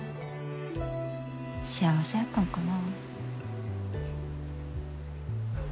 幸せやったんかな？